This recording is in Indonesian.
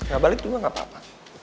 enggak balik juga gak apa apa